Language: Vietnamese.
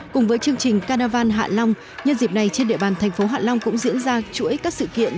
cùng với chương trình carnival hạ long nhân dịp này trên địa bàn thành phố hạ long cũng diễn ra chuỗi các sự kiện